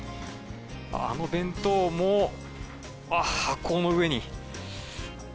あの弁当も、あっ、箱の上に。